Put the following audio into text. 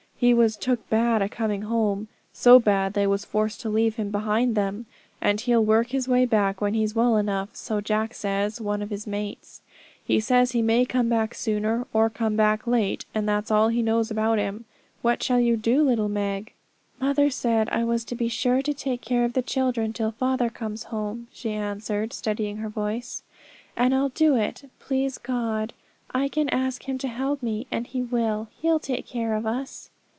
He was took bad a coming home so bad, they was forced to leave him behind them; and he'll work his way back when he's well enough, so Jack says, one of his mates. He says he may come back soon, or come back late, and that's all he knows about him. What shall you do, little Meg?' 'Mother said I was to be sure to take care of the children till father comes home,' she answered, steadying her voice; 'and I'll do it, please God. I can ask Him to help me, and He will. He'll take care of us.'